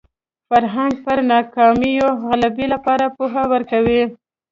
فرهنګ پر ناکامیو غلبې لپاره پوهه ورکوي